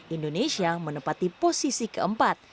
indonesia menepati posisi keempat